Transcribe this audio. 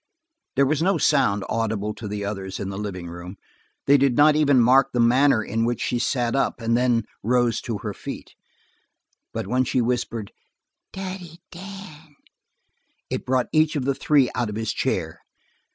There was no sound audible to the others in the living room; they did not even mark the manner in which she sat up, and then rose to her feet. But when she whispered "Daddy Dan!" it brought each of the three out of his chair.